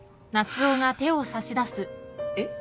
えっ？